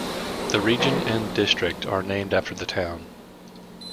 The region and district are named after the town.